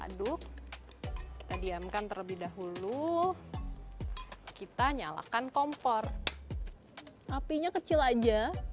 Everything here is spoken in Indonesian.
aduk kita diamkan terlebih dahulu kita nyalakan kompor apinya kecil aja